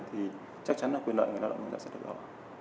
thì chắc chắn là quyền lợi người lao động sẽ được đảm bảo